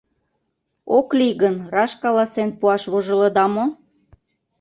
Ок лий гын, раш каласен пуаш вожылыда мо?